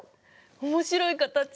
面白い形！